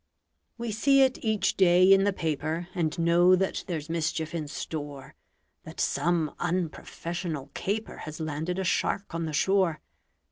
We see it each day in the paper, And know that there's mischief in store; That some unprofessional caper Has landed a shark on the shore.